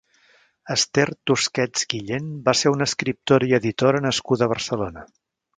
Esther Tusquets Guillén va ser una escriptora i editora nascuda a Barcelona.